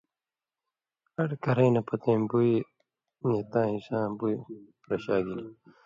اڑ کرَیں نہ پتَیں بُوئ ای تاں حِصاں بِیُو رشاگِلیۡ